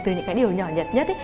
từ những cái điều nhỏ nhặt nhất